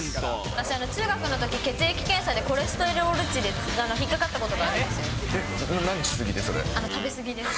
私、中学のとき、血液検査でコレステロール値で引っ掛かったことがあります。